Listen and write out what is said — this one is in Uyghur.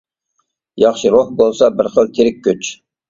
-ياخشى، روھ بولسا بىر خىل تىرىك كۈچ.